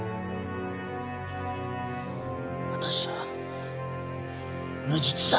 私は無実だ。